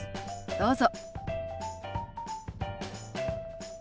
どうぞ。